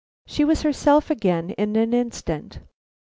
She was herself again in an instant.